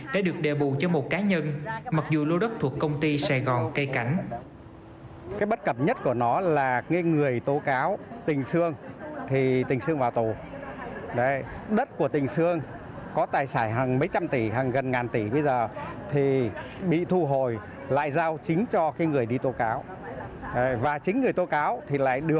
đã được đề bù cho một cá nhân mặc dù lô đất thuộc công ty sài gòn kê cảnh